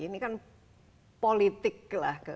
ini kan politik lah